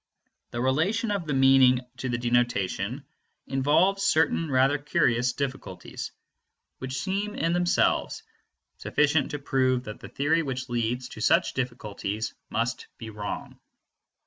The relation of the meaning to the denotation involves certain rather curious difficulties, which seem in themselves sufficient to prove that the theory which leads to such difficulties must be wrong.